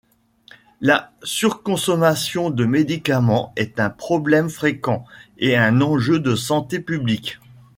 La Surconsommation de médicaments est un problème fréquent et un enjeu de santé publique.